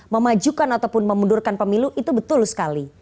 memajukan ataupun memundurkan pemilu itu betul sekali